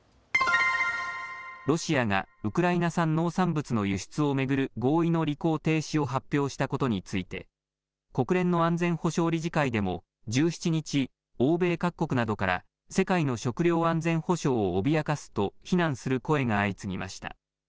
ロシアがウクライナ産農産物の輸出を巡る合意の履行停止を発表したことについて国連の安全保障理事会でも１７日、欧米各国などから世界の食料安全保障を脅かすと非難する声が相次ぎました。